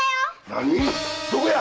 何⁉どこや！